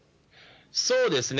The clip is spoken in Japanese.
そうですね。